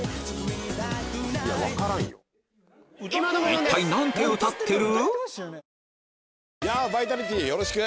一体何て歌ってる？